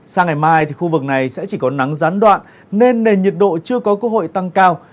sao ngày mai thì khu vực này sẽ chỉ có nắng rán đoạn nên nền nhiệt độ chưa có cơ hội tăng cao